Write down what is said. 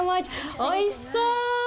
おいしそう！